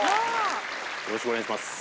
よろしくお願いします。